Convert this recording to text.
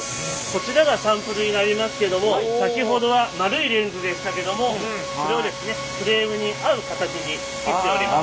こちらがサンプルになりますけども先ほどは丸いレンズでしたけどもそれをですねフレームに合う形に切っております。